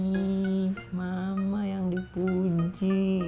ih mama yang dipuji